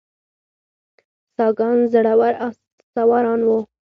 ساکان زړور آس سواران وو